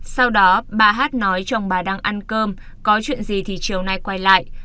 sau đó bà hát nói chồng bà đang ăn cơm có chuyện gì thì chiều nay quay lại